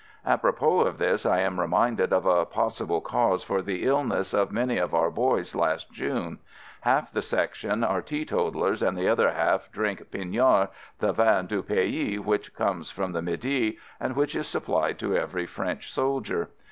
Apropos of this I am reminded of a possible cause for the illness of many of our boys last June. Half the Section are teetotalers, and the other half drink "Pinard," the vin du pays, which comes from the midi and which is supplied to every French soldier.